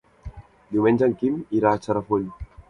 Diumenge en Quim irà a Xarafull.